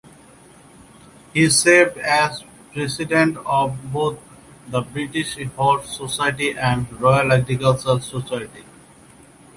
He served as president of both the British Horse Society and Royal Agricultural Society.